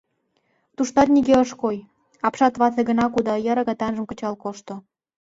Туштат нигӧ ыш кой, апшат вате гына кудо йыр агытанжым кычал кошто.